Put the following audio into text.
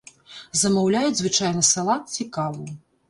Замаўляюць, звычайна, салат ці каву.